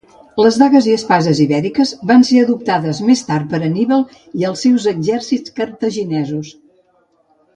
Les dagues i espases ibèriques van ser adoptades més tard per Anníbal i els seus exèrcits cartaginesos.